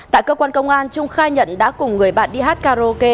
tại cơ quan công an trung khai nhận đã cùng người bạn đi hát karaoke